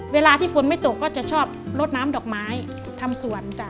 เวลาที่ฟ้านั้นไม่ตกจะชอบรดน้ำดอกไม้ทำสวน